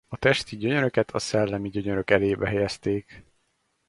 A testi gyönyöröket a szellemi gyönyörök elébe helyezték.